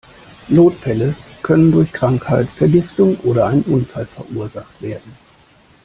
Notfälle können durch Krankheit, Vergiftung oder einen Unfall verursacht werden.